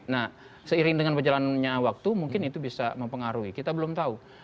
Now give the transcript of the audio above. nah seiring dengan berjalannya waktu mungkin itu bisa mempengaruhi kita belum tahu